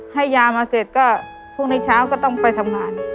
ให้ยามาเสร็จก็พรุ่งนี้เช้าก็ต้องไปทำงาน